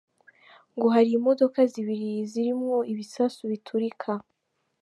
Ngo hari n'imodoka zibiri zirimwo ibisasu biturika.